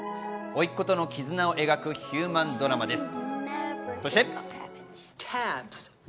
甥っ子とのきずなを描くヒューマンドラマです。